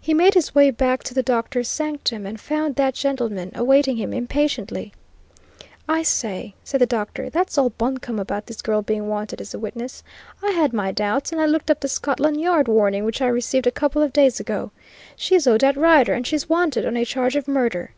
He made his way back to the doctor's sanctum, and found that gentleman awaiting him impatiently. "I say," said the doctor, "that's all bunkum about this girl being wanted as a witness. I had my doubts and I looked up the Scotland Yard warning which I received a couple of days ago. She's Odette Rider, and she's wanted on a charge of murder."